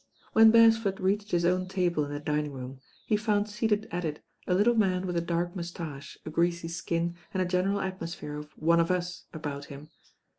When Beresford reached his own table in the ! dining room, he found seated at it a little man with ♦ a dark moustache, a greasy skin, and a general atmosphere of One of Us about him.